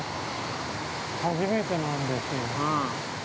初めてなんですよ。